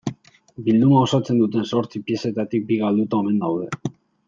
Bilduma osatzen duten zortzi piezetatik bi galduta omen daude.